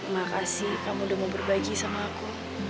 makasih kamu udah mau berbagi sama aku